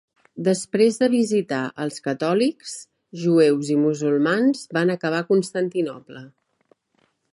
Després de visitar els catòlics, jueus i musulmans, van acabar a Constantinoble.